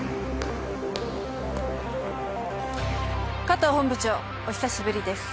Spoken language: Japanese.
加藤本部長お久しぶりです。